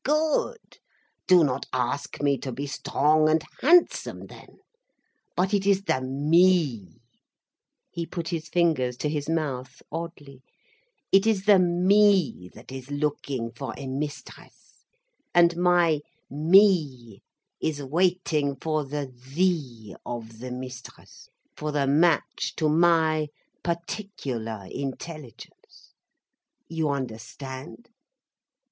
Good! Do not ask me to be strong and handsome, then. But it is the me—" he put his fingers to his mouth, oddly—"it is the me that is looking for a mistress, and my me is waiting for the thee of the mistress, for the match to my particular intelligence. You understand?"